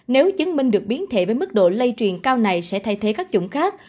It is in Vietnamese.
nếu chứng minh được biến thể với mức độ lây truyền cao này sẽ thay thế các chủng khác